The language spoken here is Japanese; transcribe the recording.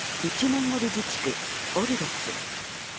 モンゴル自治区オルドス。